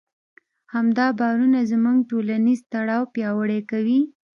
همدا باورونه زموږ ټولنیز تړاو پیاوړی کوي.